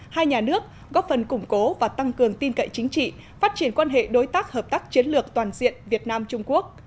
hai nhà nước góp phần củng cố và tăng cường tin cậy chính trị phát triển quan hệ đối tác hợp tác chiến lược toàn diện việt nam trung quốc